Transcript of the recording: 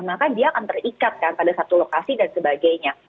maka dia akan terikat kan pada satu lokasi dan sebagainya